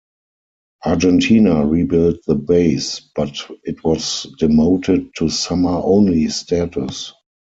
Argentina rebuilt the base but it was demoted to summer-only status.